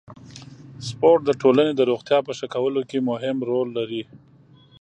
سپورت د ټولنې د روغتیا په ښه کولو کې مهم رول لري.